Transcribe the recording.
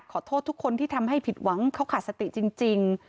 ขอโทษทุกคนที่ทำให้ผิดหวังเขาขาดสติจริง